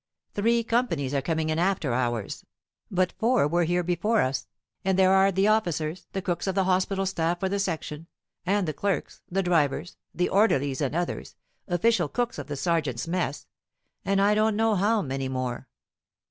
Three companies are coming in after ours, but four were here before us, and there are the officers, the cooks of the hospital staff for the Section, and the clerks, the drivers, the orderlies and others, official cooks of the sergeants' mess, and I don't know how many more.